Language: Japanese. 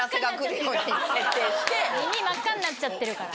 耳真っ赤になっちゃってるから。